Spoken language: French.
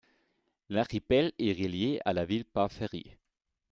L'archipel est relié à la ville par ferry.